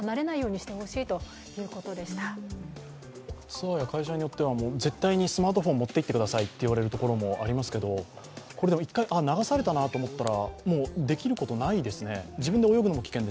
ツアーや会社によっては絶対にスマートフォンを持っていってくださいというところもありますけど一回流されたなと思ったら、できることはないですね。